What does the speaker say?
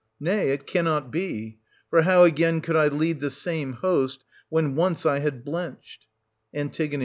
Nay, it cannot be : for how again could I lead the same host, when once I had blenched t An.